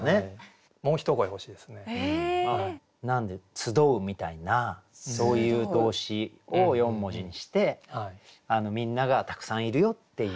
「つどう」みたいなそういう動詞を４文字にしてみんながたくさんいるよっていう。